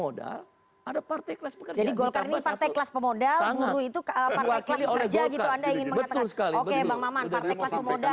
jadi gorkar ini partai kelas pemodal buruh itu partai kelas pekerja gitu anda ingin mengatakan